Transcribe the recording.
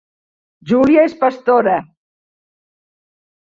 Júlia és pastora